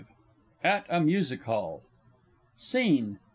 _ At a Music Hall. SCENE.